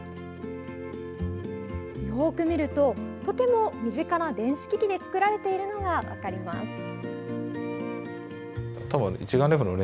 よく見るととても身近な電子機器で作られているのが分かります。